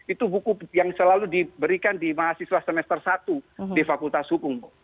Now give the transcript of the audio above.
itu buku yang selalu diberikan di mahasiswa semester satu di fakultas hukum